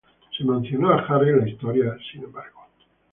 Se mencionó a Harry en la historia, sin embargo.